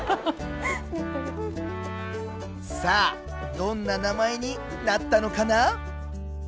さあどんな名前になったのかな？